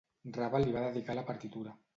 Ravel li va dedicar la partitura.